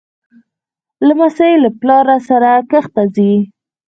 لمسی له پلار سره کښت ته ځي.